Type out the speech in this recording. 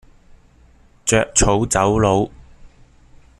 著草走佬